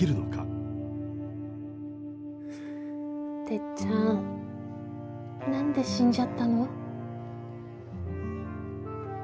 てっちゃん何で死んじゃったの？